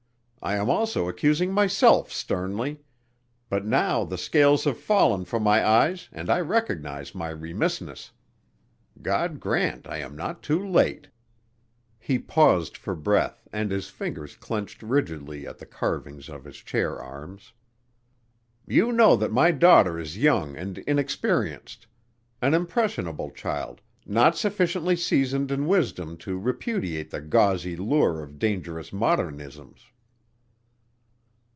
I am also accusing myself sternly but now the scales have fallen from my eyes and I recognize my remissness. God grant I am not too late." He paused for breath and his fingers clenched rigidly at the carvings of his chair arms. "You know that my daughter is young and inexperienced an impressionable child not sufficiently seasoned in wisdom to repudiate the gauzy lure of dangerous modernisms."